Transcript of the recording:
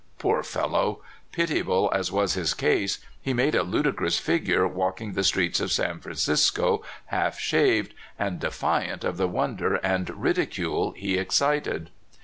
Poor fellow! Pitiable as was his case, he made a ludicrous figure walking the streets of San Fran cisco half shaved, and defiant of the w^onder and ridicule he excited.